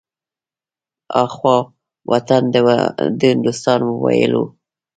اخوا وطن ته هندوستان ويلو.